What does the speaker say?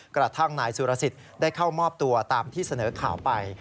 กระทั่งนายสุรสิทธิ์ได้เข้ามอบตัวตามที่เสนอข่าวไป